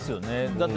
だって